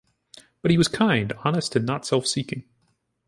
But he was kind, honest and not self-seeking.